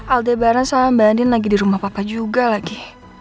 alda bara sama mbak andin lagi di rumah papa juga lagi